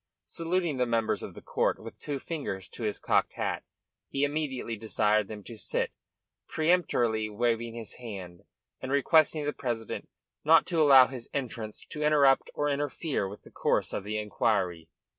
Saluting the members of the court with two fingers to his cocked hat, he immediately desired them to sit, peremptorily waving his hand, and requesting the president not to allow his entrance to interrupt or interfere with the course of the inquiry.